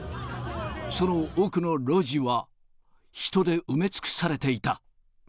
その奥の路地は、人で埋め尽くさ